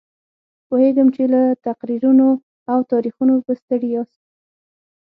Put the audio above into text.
پوهېږم چې له تقریرونو او تاریخونو به ستړي یاست.